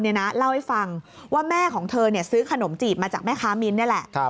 เล่าให้ฟังว่าแม่ของเธอซื้อขนมจีบมาจากแม่ค้ามิ้นนี่แหละ